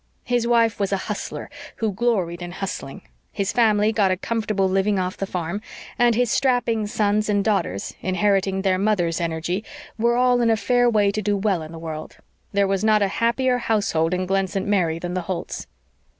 His wife was a "hustler," who gloried in hustling; his family got a comfortable living off the farm; and his strapping sons and daughters, inheriting their mother's energy, were all in a fair way to do well in the world. There was not a happier household in Glen St. Mary than the Holts'.